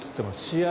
試合